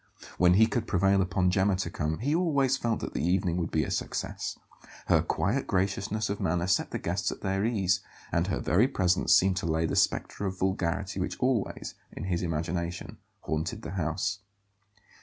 When he could prevail upon Gemma to come he always felt that the evening would be a success. Her quiet graciousness of manner set the guests at their ease, and her very presence seemed to lay the spectre of vulgarity which always, in his imagination, haunted the house.